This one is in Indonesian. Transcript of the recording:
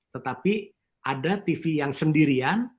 tetapi ada tv yang sendirian